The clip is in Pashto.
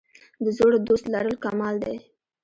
د زوړ دوست لرل کمال دی.